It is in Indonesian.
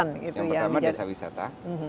yang pertama desa wisata